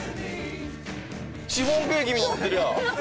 シフォンケーキみたいになってるやん！